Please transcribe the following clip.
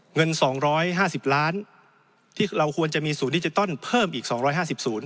เงิน๒๕๐ล้านที่เราควรจะมีศูนย์ดิจิตอลเพิ่มอีก๒๕๐ศูนย์